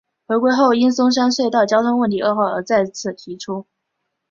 回归后因松山隧道交通问题恶化而再次提出。